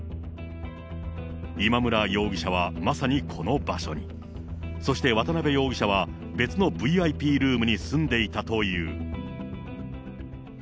今村容疑者はまさにこの場所に、そして渡辺容疑者は、別のＶＩＰルームに住んでいたという。